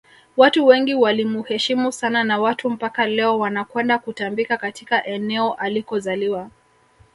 watu wengi walimuheshimu sana na watu mpaka leo wanakwenda kutambika katika eneo alikozaliwa